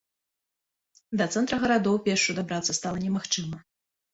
Да цэнтра гарадоў пешшу дабрацца стала немагчыма.